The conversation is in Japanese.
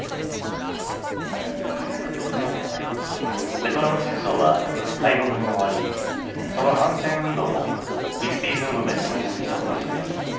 ベトナム戦争は敗北に終わりその反戦運動もヒッピームーブメントも過ぎ去った時代。